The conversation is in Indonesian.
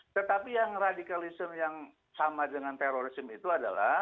tetapi yang radikalisme yang sama dengan terorisme itu adalah